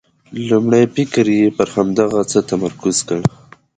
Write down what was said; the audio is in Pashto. لومړی فکر یې پر همدغه څه متمرکز کړ.